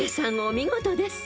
お見事です］